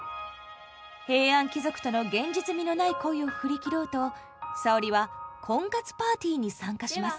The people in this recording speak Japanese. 平安貴族との現実味のない恋を振り切ろうと沙織は婚活パーティーに参加します。